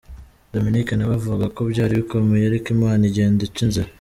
Dominic na we avuga ko byari bikomeye ariko Imana igenda ica inzira.